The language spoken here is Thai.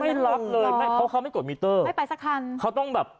ไม่รับเลยไม่เพราะเขาไม่กดมิเตอร์ไม่ไปสักคันเขาต้องแบบ